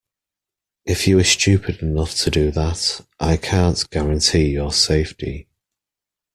If you are stupid enough to do that, I can't guarantee your safety.